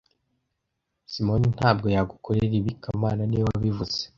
Simoni ntabwo yagukorera ibi kamana niwe wabivuze